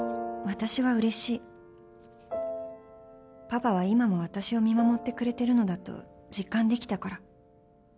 パパは今も私を見守ってくれてるのだと実感できたから